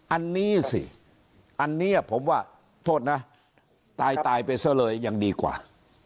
อันนี้สิอันนี้ผมว่าโทษนะตายตายไปซะเลยยังดีกว่า